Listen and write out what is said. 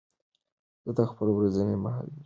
زه خپل ورځنی مهالوېش پلان کوم.